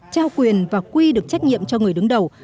trao quyền và quy được trách nhiệm cho người đứng đầu